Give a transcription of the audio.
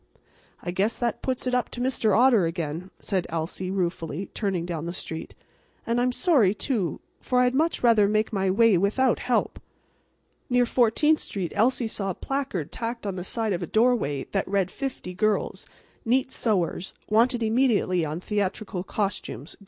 "I guess that puts it up to Mr. Otter again," said Elsie, ruefully, turning down the street. "And I'm sorry, too, for I'd much rather make my way without help." Near Fourteenth street Elsie saw a placard tacked on the side of a doorway that read: "Fifty girls, neat sewers, wanted immediately on theatrical costumes.